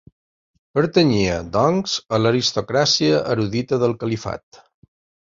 Pertanyia, doncs, a l'aristocràcia erudita del califat.